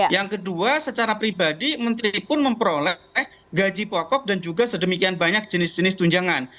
yang kedua secara pribadi menteri pun memperoleh gaji pokok dan juga sedemikian banyak jenis jenis tunjangan